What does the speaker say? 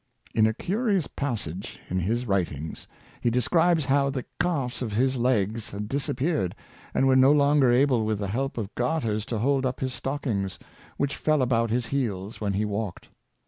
In a curious passage in his writ ings he describes how that the calves of his legs had disappeared, and were no longer able with the help of garters to hold up his stockings, which fell about his heels when he walked.